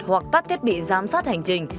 hoặc tắt thiết bị giám sát hành trình